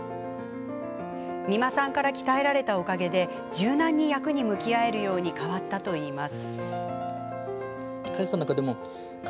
三間さんから鍛えられたおかげで柔軟に役に向き合えるように変わったといいます。